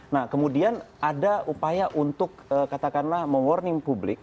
nah kemudian ada upaya untuk katakanlah mewarning publik